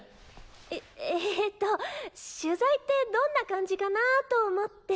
ええと取材ってどんな感じかなと思って。